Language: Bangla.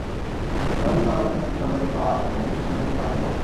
তবে নিম্ন আদালতে মৃত্যুদণ্ডাদেশ পাওয়া আরেক আসামি শনিরামকে খালাস দেন হাইকোর্ট।